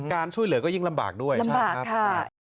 การช่วยเหลือก็ยิ่งลำบากด้วยใช่ไหมครับลำบากค่ะ